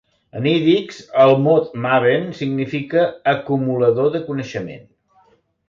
En ídix, el mot "maven" significa "acumulador de coneixement".